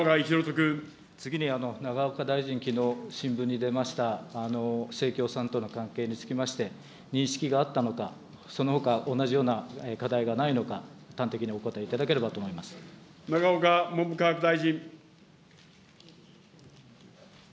次に永岡大臣、きのう新聞に出ました、せいきょうさんとの関係につきまして、認識があったのか、そのほか同じような課題がないのか、端的にお答えいただければと永岡文部科学大臣。